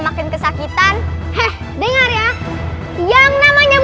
makin kesakitan heh dengar ya yang namanya